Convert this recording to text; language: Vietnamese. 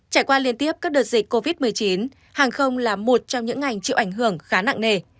trải qua liên tiếp các đợt dịch covid một mươi chín hàng không là một trong những ngành chịu ảnh hưởng khá nặng nề